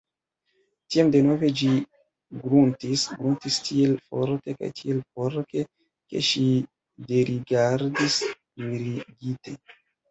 Tiam denove ĝi gruntis, gruntis tiel forte kaj tiel porke, ke ŝi derigardis, mirigite.